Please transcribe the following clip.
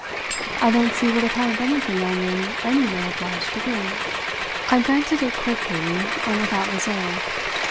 I don't see what account of anything I'm in any way obliged to give." I granted it quickly and without reserve.